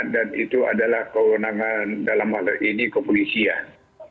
dan itu adalah kewenangan dalam hal ini kepolisian